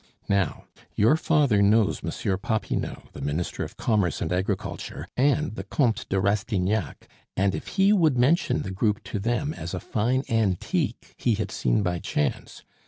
Now, your father knows Monsieur Popinot, the Minister of Commerce and Agriculture, and the Comte de Rastignac, and if he would mention the group to them as a fine antique he had seen by chance!